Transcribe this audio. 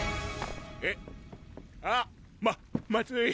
えっあっままずい！